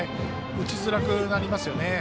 打ちづらくなりますよね。